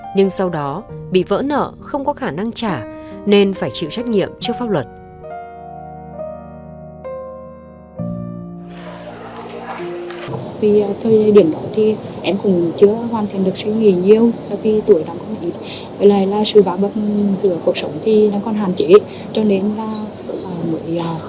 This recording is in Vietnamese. nhưng sau đó trần thị linh chi đã trở lại là một giảng viên trẻ của trường đại học y khoa vinh